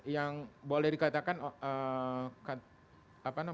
yang boleh dikatakan